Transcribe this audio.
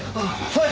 はい！